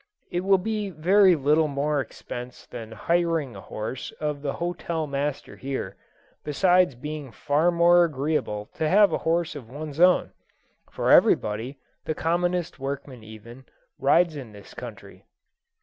It will be very little more expense than hiring a horse of the hotel master here, besides being far more agreeable to have a horse of one's own; for everybody, the commonest workman even, rides in this country.